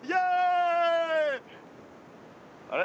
あれ？